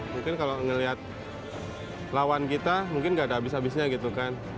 mungkin kalau ngelihat lawan kita mungkin gak ada habis habisnya gitu kan